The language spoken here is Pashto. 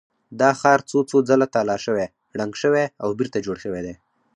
دا ښار څو څو ځله تالا شوی، ړنګ شوی او بېرته جوړ شوی دی.